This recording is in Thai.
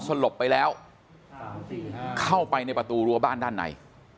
สลบไปแล้วเข้าไปในประตูรั้วบ้านด้านใน